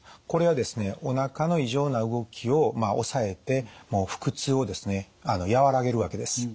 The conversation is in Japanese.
これはですねおなかの異常な動きを抑えて腹痛を和らげるわけです。